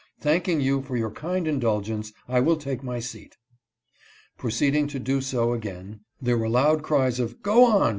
Thanking you for your kind indulgence, I will take my seat." Proceeding to do so again, there were loud cries of " Go on